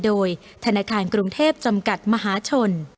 โดยธนาคารกรุงเทพจำกัดมหาชน